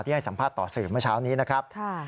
ให้สัมภาษณ์ต่อสื่อเมื่อเช้านี้นะครับ